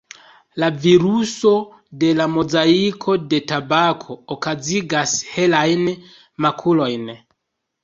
La viruso de la mozaiko de tabako okazigas helajn makulojn.